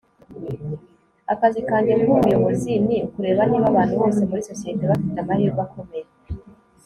akazi kanjye nk'umuyobozi ni ukureba niba abantu bose muri sosiyete bafite amahirwe akomeye